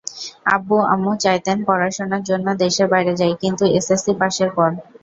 আব্বু-আম্মু চাইতেন পড়াশোনার জন্য দেশের বাইরে যাই, কিন্তু এসএসসি পাসের পর।